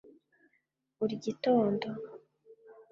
buri gitondo